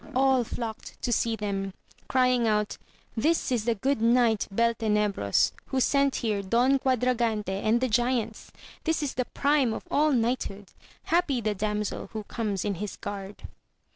All flocked to see them, crying out, this is the good knight Beltenebros, who sent here Don Quadragante and the giants ! This is the prime of all knighthood ! Happy the damsel who comes in his guard